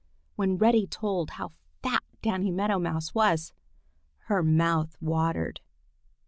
When Reddy told how fat Danny Meadow Mouse was, her mouth watered.